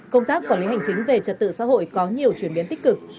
công tác quản lý hành chính về trật tự xã hội có nhiều chuyển biến tích cực